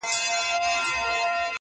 لوستونکي پرې بحثونه کوي ډېر ژر,